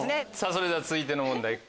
それでは続いての問題